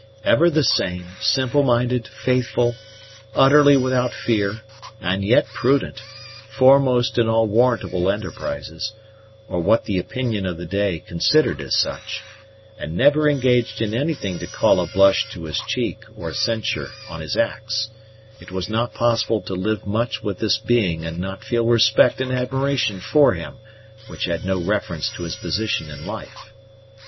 Ever the same, simple minded, faithful, utterly without fear, and yet prudent, foremost in all warrantable enterprises, or what the opinion of the day considered as such, and never engaged in anything to call a blush to his cheek or censure on his acts, it was not possible to live much with this being and not feel respect and admiration for him which had no reference to his position in life.